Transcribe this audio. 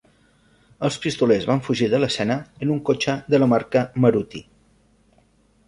Els pistolers van fugir de l'escena en un cotxe de la marca Maruti.